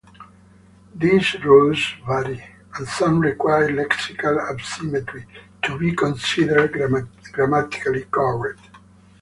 These rules vary, and some require lexical asymmetry to be considered grammatically correct.